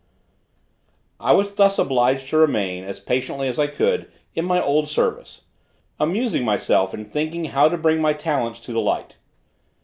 I was thus obliged to remain, as patiently as I could, in my old service, amusing myself in thinking how to bring my talents to the light.